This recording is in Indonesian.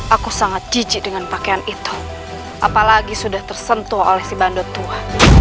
aku sangat jijik dengan pakaian itu apalagi sudah tersentuh oleh si bandut tua